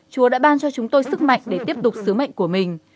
chùa đã ban cho chúng tôi sức mạnh để tiếp tục sứ mệnh của mình